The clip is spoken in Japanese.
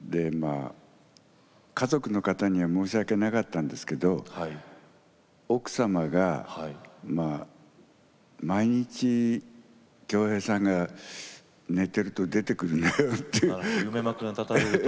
家族の方には申し訳なかったんですけど奥様が毎日京平さんが寝ていると夢枕に立ったれると。